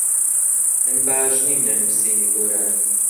من باش نیم لە نووسینی گۆرانی.